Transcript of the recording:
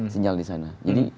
sinyal disana jadi